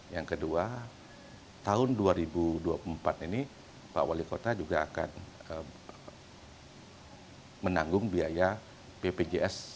yang kedua tahun dua ribu dua puluh empat ini pak wali kota juga akan menanggung biaya bpjs